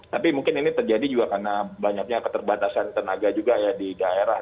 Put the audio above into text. tapi mungkin ini terjadi juga karena banyaknya keterbatasan tenaga juga ya di daerah